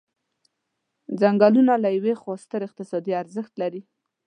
څنګلونه له یوې خوا ستر اقتصادي ارزښت لري.